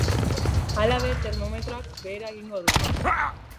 Halaber, termometroak behera egingo du.